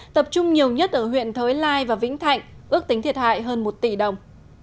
tập trung nhiều nhất ở huyện thới lai và vĩnh thạnh ước tính thiệt hại hơn một tỷ đồng